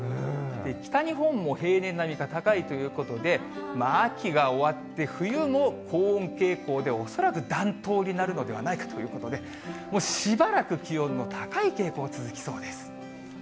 北日本も平年並みか高いということで、秋が終わって、冬も高温傾向で恐らく暖冬になるのではないかということで、もうしばらく気温の高い傾向続きそうです。